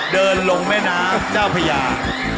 เดินลงแม่น้ำเจ้าพญา